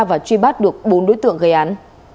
và truy bắt được bốn đối tượng gây án